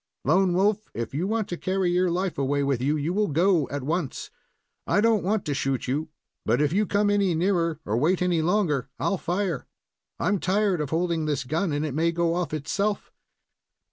"Lone Wolf, if you want to carry your life away with you, you will go at once. I do n't want to shoot you, but if you come any nearer or wait any longer, I'll fire. I'm tired of holding this gun, and it may go off itself."